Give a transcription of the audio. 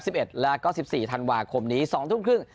เอ็ดแล้วก็สิบสี่ธันวาคมนี้สองทุ่มครึ่ง